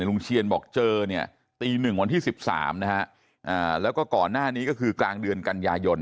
เชียนบอกเจอเนี่ยตีหนึ่งวันที่๑๓นะฮะแล้วก็ก่อนหน้านี้ก็คือกลางเดือนกันยายน